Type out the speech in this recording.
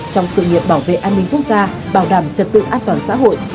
trong sự nghiệp bảo vệ an ninh quốc gia bảo đảm trật tự an toàn xã hội